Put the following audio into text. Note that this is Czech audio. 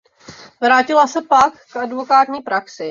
Vrátila se pak k advokátní praxi.